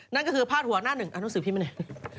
นั่นก็คือพาดหัวหน้าหนึ่งอ้าวต้องสืบพี่ไปหน่อย